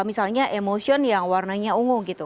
misalnya emotion yang warnanya ungu gitu